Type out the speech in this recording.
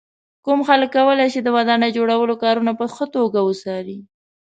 کوم خلک کولای شي د ودانۍ جوړولو کارونه په ښه توګه وڅاري.